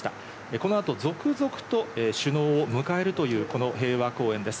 このあと続々と首脳を迎えるというこの平和公園です。